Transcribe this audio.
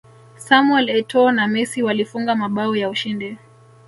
samuel etoo na messi walifunga mabao ya ushindi